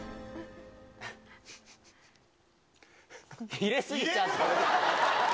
入れ過ぎちゃった。